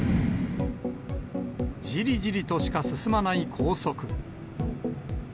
じりじりとしか進まない高速。